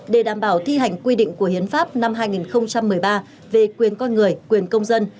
để đảm bảo thi hành quy định của hiến pháp năm hai nghìn một mươi ba về quyền con người quyền công dân